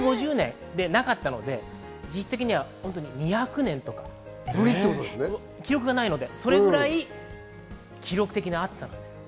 １５０年でなかったので実質的には２００年とか、記録がないので、それくらい記録的な暑さです。